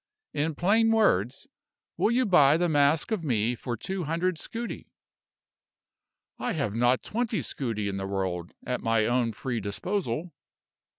In plain words, will you buy the mask of me for two hundred scudi?" "I have not twenty scudi in the world, at my own free disposal."